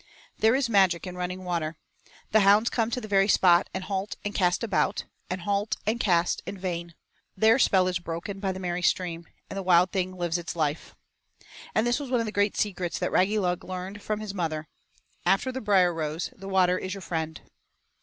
There is magic in running water. The hounds come to the very spot and halt and cast about; and halt and cast in vain. Their spell is broken by the merry stream, and the wild thing lives its life. And this was one of the great secrets that Raggylug learned from his mother "after the Brierrose, the Water is your friend."